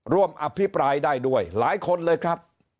อภิปรายได้ด้วยหลายคนเลยครับ